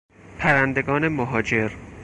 پرندگان مهاجر